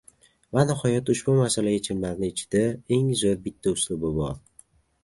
Va nihoyat, ushbu masala yechimlari ichida eng zoʻr bitta uslubi bor.